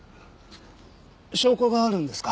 証拠があるんですか？